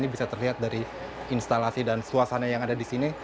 ini bisa terlihat dari instalasi dan suasana yang ada di sini